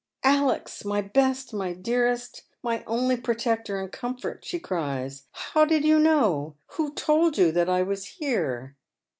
" Alex, my best, my dearest, my only protector and »omfort,," she cries, " how did you know — who told you that I was here